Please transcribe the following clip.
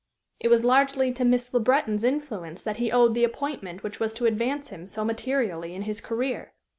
It was largely to Miss Le Breton's influence that he owed the appointment which was to advance him so materially in his career.